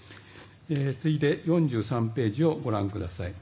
次いで、４３ページをご覧ください。